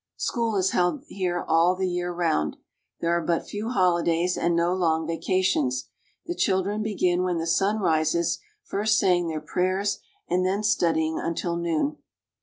School is held here all the year round. There are but few holidays and no long vacations. The children begin when the sun rises, first saying their prayers and then studying until noon.